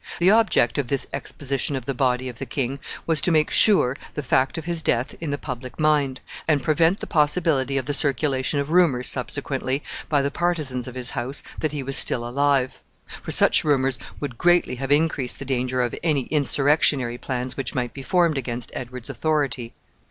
The object of this exposition of the body of the king was to make sure the fact of his death in the public mind, and prevent the possibility of the circulation of rumors, subsequently, by the partisans of his house, that he was still alive; for such rumors would greatly have increased the danger of any insurrectionary plans which might be formed against Edward's authority.